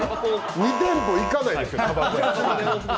２店舗行かないですよ。